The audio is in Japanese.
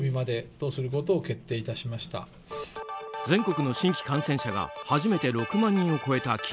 全国の新規感染者が初めて６万人を超えた